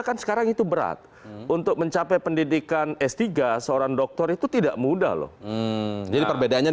kan sekarang itu berat untuk mencapai pendidikan s tiga seorang dokter itu tidak mudah loh jadi perbedaannya